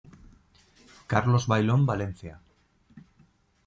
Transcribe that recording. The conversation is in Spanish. Carlos Bailón Valencia.